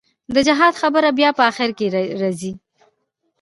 د جهاد خبره بيا په اخر کښې رځي.